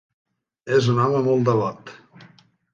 És un home molt devot.